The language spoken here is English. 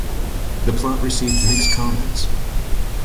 The plot received mixed comments.